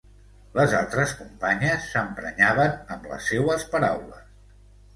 Les altres companyes s'emprenyaven amb les seues paraules.